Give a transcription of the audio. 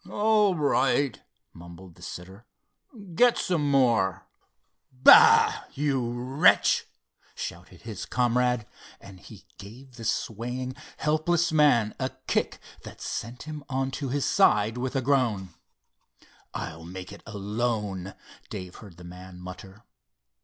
"All right," mumbled the sitter. "Get some more." "Bah, you wretch!" shouted his comrade, and he gave the swaying, helpless man a kick that sent him onto his side with a groan. "I'll make it alone," Dave heard the man mutter.